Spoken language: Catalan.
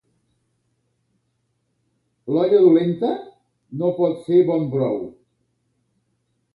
L'olla dolenta no pot fer bon brou.